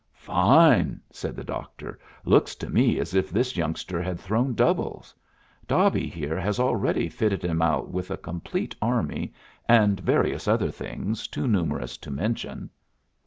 "Fine!" said the doctor. "Looks to me as if this youngster had thrown doubles. Dobby here has already fitted him out with a complete army, and various other things, too numerous to mention."